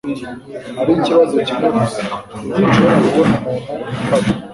Hariho ikibazo kimwe gusa. Sinshobora kubona umuntu umfasha.